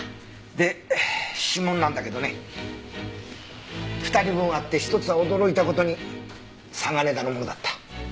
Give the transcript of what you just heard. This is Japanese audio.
で指紋なんだけどね２人分あって１つは驚いた事に嵯峨根田のものだった。